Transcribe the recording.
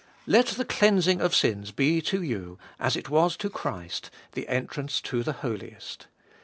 Let the cleansing 46 Gbe Iboliest of of sins be to you, as it was to Christ, the entrance to the Holiest.